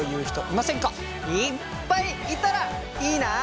いっぱいいたらいいな！